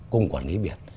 cùng quản lý biển